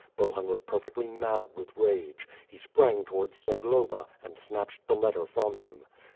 Bohun was perfectly mad with rage. He sprang towards Zagloba, and snatched the letter from him.